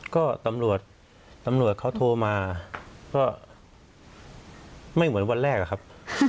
ก็ตำรวจเขาโทรมาก็ไม่เหมือนวันแรกครับ